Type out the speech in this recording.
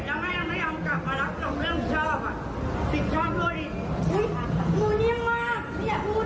เจ้าหน้าที่อยู่ตรงนี้กำลังจะปัด